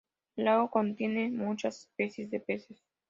El lago contiene muchas especies de peces.